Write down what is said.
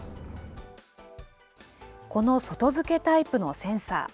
この外付けタイプのセンサー。